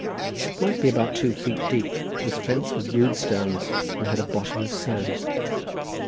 It might be about two feet deep, was fenced with rude stones, and had a bottom of sand.